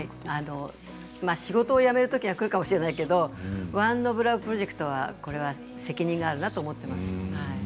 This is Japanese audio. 仕事を辞めるときがくるかもしれないけどＯｎｅｏｆＬｏｖｅプロジェクト、これは責任があるなと思っています。